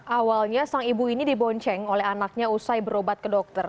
awalnya sang ibu ini dibonceng oleh anaknya usai berobat ke dokter